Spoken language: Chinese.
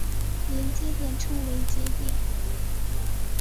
连接点称为节点。